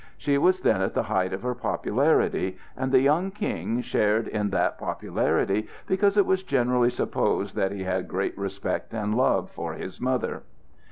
She was then at the height of her popularity, and the young King shared in that popularity because it was generally supposed that he had great respect and love for his mother.